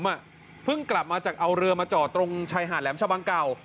เพิ่งกลับมาจากเอาเรือมาจอดตรงชายหาดแหลมชะบังเก่า